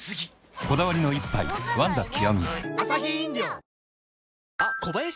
こだわりの一杯「ワンダ極」